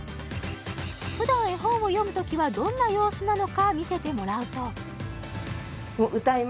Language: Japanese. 普段絵本を読むときはどんな様子なのか見せてもらうとはい